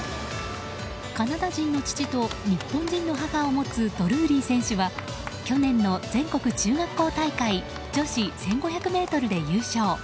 カナダ人の父と日本人の母を持つドルーリー選手は去年の全国中学校大会女子１５００ｍで優勝。